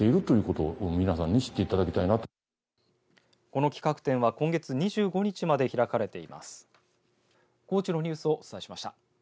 この企画展は今月２５日まで開かれています。